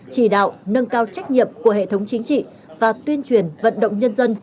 chỉ đạo nâng cao trách nhiệm của hệ thống chính trị và tuyên truyền vận động nhân dân